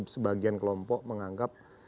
sebagian kelompok menganggap